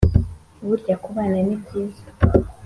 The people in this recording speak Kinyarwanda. burya kubana ni byiza